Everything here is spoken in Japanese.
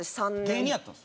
芸人やったんです。